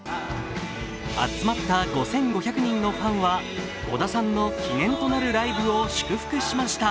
集まった５５００人のファンは小田さんの記念となるライブを祝福しました。